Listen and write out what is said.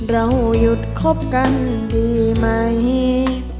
เราหยุดคบกันดีไหม